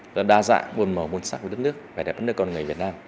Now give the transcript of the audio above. rất đa dạng môn màu môn sắc về đất nước và đẹp đất nước con người việt nam